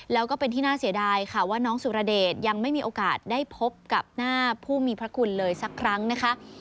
แล้วก็เป็นที่น่าเสียดายค่ะว่าน้องสุรเดชยังไม่มีโอกาสได้พบกับหน้าผู้มีพระคุณเลยสักครั้งนะคะ